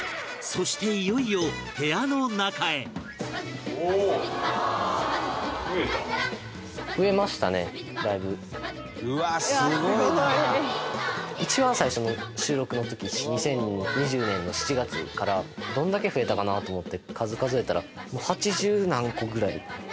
そして、いよいよ部屋の中へ隆貴君：一番最初の収録の時２０２０年の７月からどんだけ増えたかなと思って数、数えたら八十何個ぐらい。